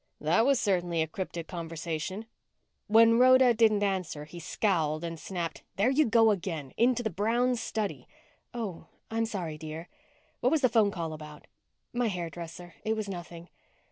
"That was certainly a cryptic conversation." When Rhoda didn't answer, he scowled and snapped, "There you go again. Into the brown study." "Oh, I'm sorry, dear." "What was the phone call about?" "My hairdresser. It was nothing."